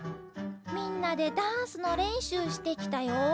みんなでダンスのれんしゅうしてきたよ。